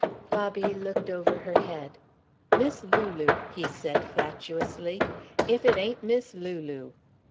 Bobby looked over her head. "Miss Lulu," he said fatuously. "If it ain't Miss Lulu."